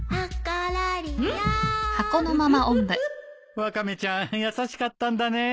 ワカメちゃん優しかったんだね。